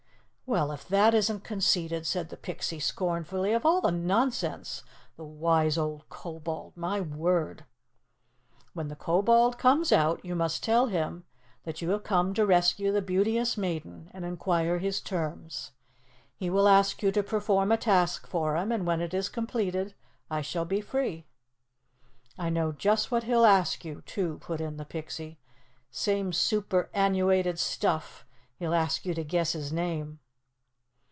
_" "Well, if that isn't conceited!" said the Pixie scornfully. "Of all the nonsense! 'The wise old Kobold'! My word!" "When the Kobold comes out, you must tell him that you have come to rescue the Beauteous Maiden and inquire his terms. He will ask you to perform a task for him, and when it is completed, I shall be free." "I know just what he'll ask you, too," put in the Pixie. "Same superannuated stuff! He'll ask you to guess his name."